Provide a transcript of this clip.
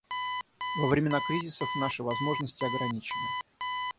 Во времена кризисов наши возможности ограничены.